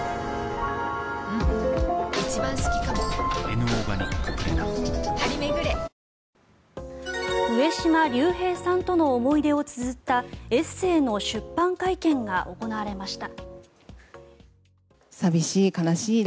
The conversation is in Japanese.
明治おいしい牛乳上島竜兵さんとの思い出をつづったエッセーの出版会見が行われました。